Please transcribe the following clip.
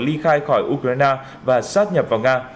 ly khai khỏi ukraine và sáp nhập vào nga